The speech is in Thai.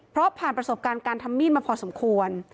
เพราะผ่านประสบการณ์การทำมีดมาพอสมควร